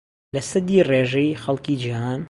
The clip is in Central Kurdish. لەسەدی ڕێژەی خەڵکی جیھان